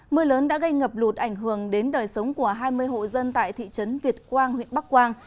mưa lớn đã gây ngập lụt ảnh hưởng đến đời sống của hai mươi hộ dân tại thị trấn việt quang huyện bắc quang